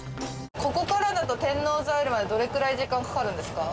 ここからだと天王洲アイルまでどれぐらい時間かかるんですか？